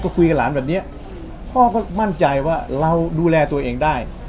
ก็คุยกับหลานแบบนี้พ่อก็มั่นใจว่าเราดูแลตัวเองได้